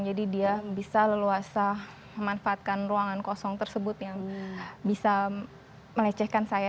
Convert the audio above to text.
jadi dia bisa leluasa memanfaatkan ruangan kosong tersebut yang bisa melecehkan saya